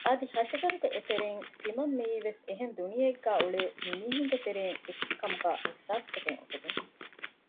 އަދި ހަށިގަނޑުގެ އެތެރެއިން ތިމަން މިއީވެސް އެހެން ދުނިޔެއެއްގައި އުޅޭ މި މީހުންގެތެރެއިން އެކެއްކަމުގެ އިޙްސާސްތަކެއް އުފެދުން